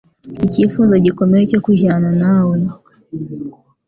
icyifuzo gikomeye cyo kujyana nawe